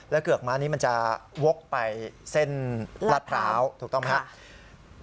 เกือกม้านี้มันจะวกไปเส้นลาดพร้าวถูกต้องไหมครับ